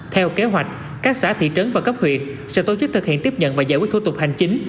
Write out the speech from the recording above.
theo kế hoạch các xã thị trấn và cấp huyện sẽ tổ chức thực hiện tiếp nhận và giải quyết thủ tục hành chính